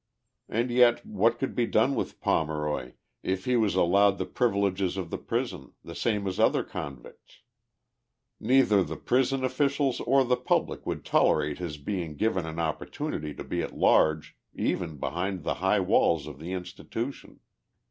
And yet what could be done with Pomeroy if lie was allowed the privileges of the prison, the same as other convicts ? Neither the prison officials or the public would tolerate his be ing given an opportunity to be at large even behind the high walls of the institution.